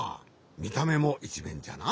みためもいちめんじゃな。